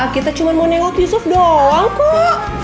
kita cuma mau nengok yusuf doang kok